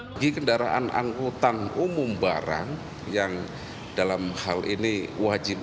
bagi kendaraan angkutan umum barang yang dalam hal ini wajib